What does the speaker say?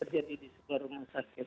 terjadi di sebuah rumah sakit